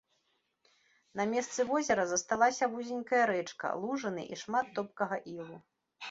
На месцы возера засталася вузенькая рэчка, лужыны і шмат топкага ілу.